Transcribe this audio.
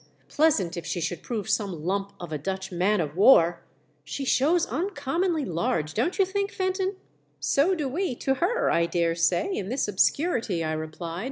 Pleasant if she should prove some lump of a Dutch man of war ! She shows uncommonly large, don't you think, Fenton ?"" So do we to her, I dare say, in this obscurity," I replied.